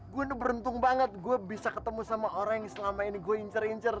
gua tuh beruntung banget gua bisa ketemu sama orang yang selama ini gua incer incer